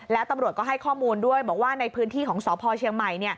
แล้วตำรวจก็ให้ข้อมูลด้วยบอกว่าในพื้นที่ของสพเชียงใหม่